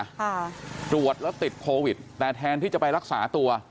ค่ะตรวจแล้วติดโควิดแต่แทนที่จะไปรักษาตัว